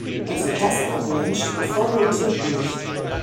Also das Argument stimmt vorne und hinten nicht.